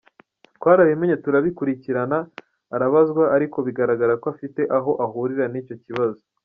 Twarabimenye turabikurikirana arabazwa ariko bigaragara ko afite aho ahurira n’icyo kibazo.